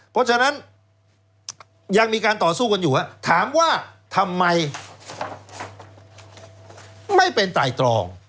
เพราะฉะนั้นยังมีการต่อสู้กันอยู่ว่าถามว่าทำไมไม่เป็นไตรตรอง